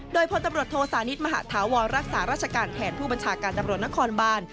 โดยพลตำรวจโทสานิทมหาธาวรรักษาราชการแทนผู้บัญชาการตำรวจนครบาน